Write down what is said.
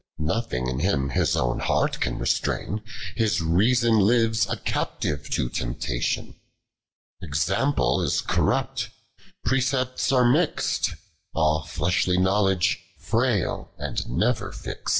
Nothing in him his own heart can restrain, llis reason lives a captive to temptation ; Example is corrupt, precepts are mixt, All fleshly knowledge frail, and never fixt.